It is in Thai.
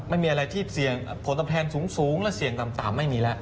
ไม่มีอะไรที่เสี่ยงผลตอบแทนสูงและเสี่ยงต่ำไม่มีแล้ว